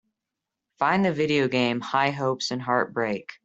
Find the video game High Hopes & Heartbreak